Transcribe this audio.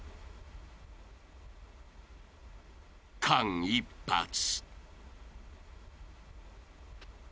［間一髪］